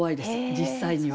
実際には。